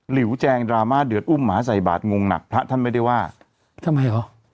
หิวแจงดราม่าเดือดอุ้มหมาใส่บาทงงหนักพระท่านไม่ได้ว่าทำไมเหรอ